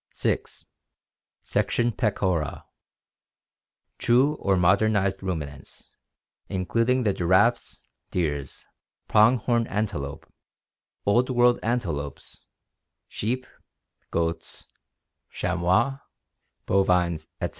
(6) Section Pecora. True or modernized ruminants, including the giraffes, deer, prong hom antelope, Old World antelopes, sheep, goats, chamois, bovines, etc.